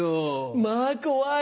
まぁ怖い。